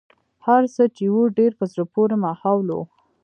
هرڅه چې و ډېر په زړه پورې ماحول و.